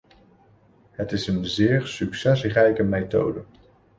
Het is een zeer succesrijke methode.